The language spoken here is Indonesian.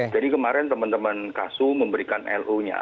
jadi kemarin teman teman kasus memberikan lo nya